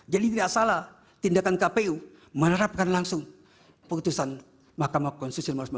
jadi tidak salah tindakan kpu menerapkan langsung putusan mk no satu ratus lima puluh